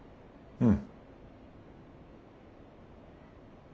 うん。